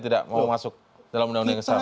tidak mau masuk dalam undang undang yang sama